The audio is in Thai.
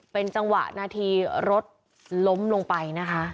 เป็นจังหวะนาทีรถล้มลงไปนะคะ